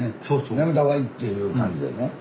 やめた方がいいっていう感じやね。